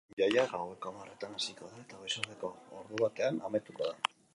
Jaia gaueko hamarretan hasiko da eta goizaldeko ordubatean amaituko da.